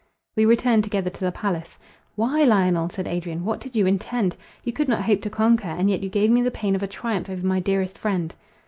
We returned together to the palace. "Why, Lionel," said Adrian, "what did you intend? you could not hope to conquer, and yet you gave me the pain of a triumph over my dearest friend."